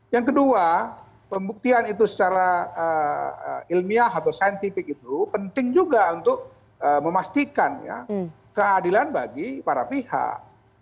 yang kedua pembuktian itu secara ilmiah atau saintifik itu penting juga untuk memastikan keadilan bagi para pihak